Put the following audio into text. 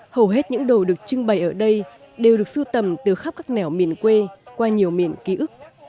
hầu hết những đồ được trưng bày ở đây đều được sưu tầm từ khắp các nẻo miền quê qua nhiều miền ký ức